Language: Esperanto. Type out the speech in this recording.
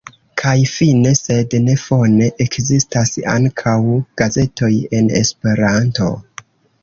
Kaj fine sed ne fone: ekzistas ankaŭ gazetoj en Esperanto.